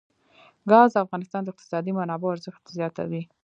ګاز د افغانستان د اقتصادي منابعو ارزښت زیاتوي.